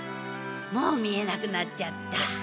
もう見えなくなっちゃった。